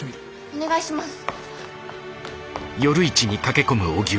お願いします！